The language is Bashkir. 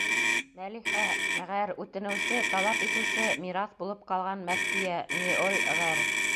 Мәлихә ғәр. — үтенеүсе, талап итеүсе — мираҫ булып ҡалған Мәккиә неол., ғәр.